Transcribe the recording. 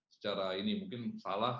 secara ini mungkin salah